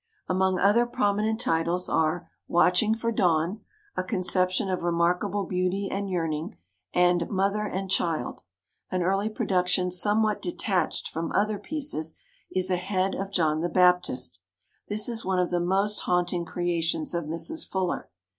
Among other prominent titles are "Watch ing for Dawn," a conception of remarkable beauty and yearning, and "Mother and Child." An early production somewhat de tached from other pieces is a head of John the Baptist. This is one of the most haunt ing creations of Mrs. Fuller.